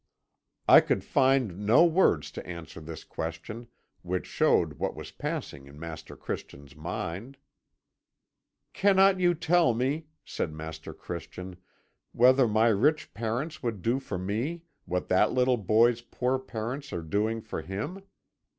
"I could find no words to answer this question, which showed what was passing in Master Christian's mind. "'Cannot you tell me,' said Master Christian, 'whether my rich parents would do for me what that little boy's poor parents are doing for him?